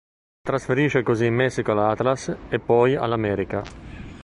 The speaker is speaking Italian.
Si trasferisce così in Messico all'Atlas e poi all'América.